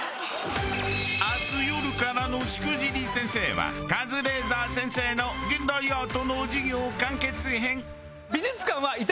明日よるからの『しくじり先生』はカズレーザー先生の現代アートの授業完結編。